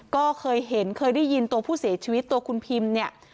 ก็เคยเห็นเคยได้ยินตัวผู้เสียชีวิตตัวคุณพิมเนี่ย